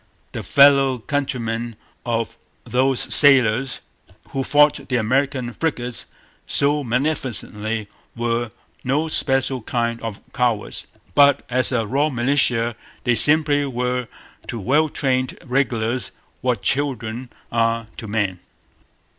The fellow countrymen of those sailors who fought the American frigates so magnificently were no special kind of cowards. But, as a raw militia, they simply were to well trained regulars what children are to men.